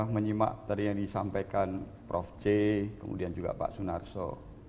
menyimak tadi yang disampaikan prof c kemudian juga pak sunarso